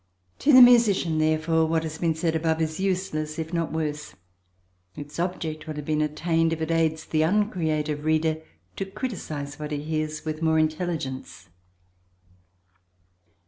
To the musician, therefore, what has been said above is useless, if not worse; its object will have been attained if it aids the uncreative reader to criticise what he hears with more intelligence.